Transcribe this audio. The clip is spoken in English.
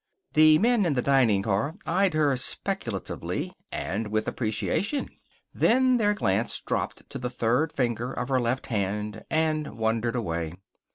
The men in the dining car eyed her speculatively and with appreciation. Then their glance dropped to the third finger of her left hand, and wandered away.